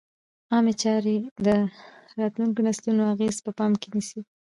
عامه چارې د راتلونکو نسلونو اغېز په پام کې نیسي.